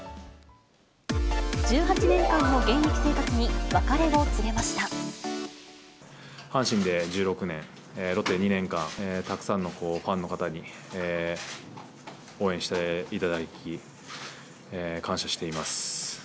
１８年間の現役生活に別れを阪神で１６年、ロッテで２年間、たくさんのファンの方に応援していただき、感謝しています。